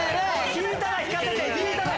引いたら引かせて。